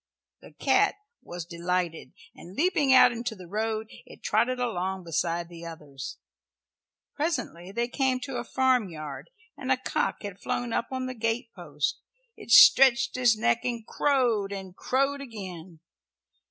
The cat was delighted, and leaping out into the road it trotted along beside the others. Presently they came to a farmyard, and a cock had flown up on the gate post. It stretched its neck and crowed, and crowed again.